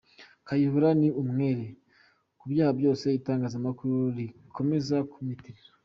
Kayihura ni umwere ku byaha byose itangazamakuru rikomeza kumwitirira.